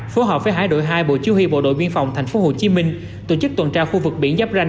phối hợp với hai đội hai bộ chủ huy bộ đội biên phòng tp hcm tổ chức tuần tra khu vực biển giáp ranh